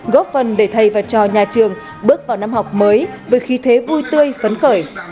góp phần để thầy và cho nhà trường bước vào năm học mới với khí thế vui tươi phấn khởi